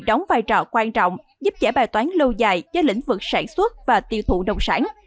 đóng vai trò quan trọng giúp giải bài toán lâu dài cho lĩnh vực sản xuất và tiêu thụ nông sản